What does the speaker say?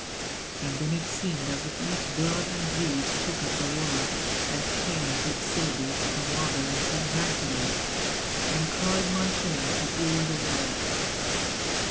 And then it seemed as if each bird and breeze Took up the word, and changed its syllables From Mother into Magdalene; and cried My shame to all the world.